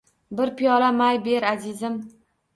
Bir piyola may ber azizim